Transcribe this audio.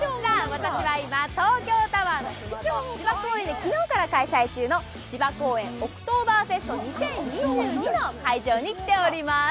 私は今東京タワーの麓、芝公園で昨日から開催中の、芝公園オクトーバーフェスト２０２２の会場に来ております。